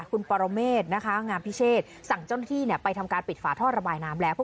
คุณปรเมฆนะคะงามพิเชษสั่งเจ้าหน้าที่ไปทำการปิดฝาท่อระบายน้ำแล้ว